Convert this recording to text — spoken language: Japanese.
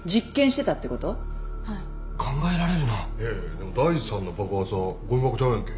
でも第３の爆発はごみ箱ちゃうやんけ。